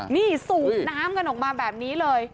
นี่สูบน้ำกันออกมาแบบนี้เลย